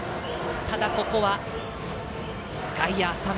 ただ、ここは外野は浅め。